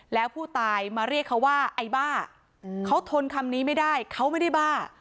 แล้วผู้ตายมาเรียกเขาว่าไอ้บ้าเขาทนคำนี้ไม่ได้เขาไม่ได้บ้า